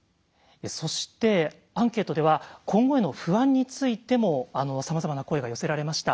そしてアンケートでは今後への不安についてもさまざまな声が寄せられました。